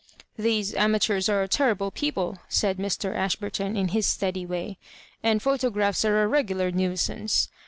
"These amateurs are terrible people," said Mr. Ashburton, in hia steady way ;" and photographs are a 4'egular nuisance.